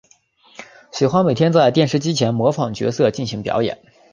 喜欢每天在电视机前模仿角色进行表演。